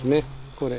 これ。